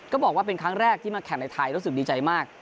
บอกว่าเป็นครั้งแรกที่มาแข่งในไทยรู้สึกดีใจมาก